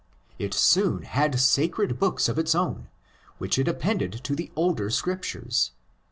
It soon had sacred books of its own, which it appended to the older Scriptures.